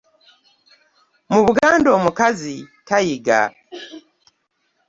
Mu Buganda omukazi tayigga.